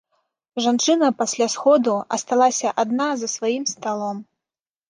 Жанчына пасля сходу асталася адна за сваім сталом.